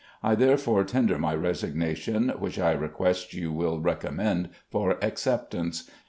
I therefore tender my resig nation, which I request you will recommend for accept ance.